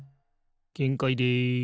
げんかいです。